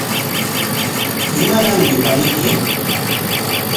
¿Imananmi paniyki?